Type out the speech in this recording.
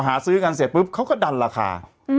หาซื้อกันเสร็จปุ๊บเขาก็ดันราคา